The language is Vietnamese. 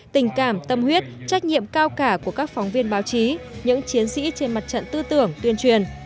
tình cảm tâm huyết trách nhiệm cao cả của các phóng viên báo chí những chiến sĩ trên mặt trận tư tưởng tuyên truyền